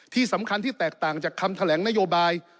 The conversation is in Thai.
ที่สำคัญที่แตกต่างจากคำแถลงนโยบาย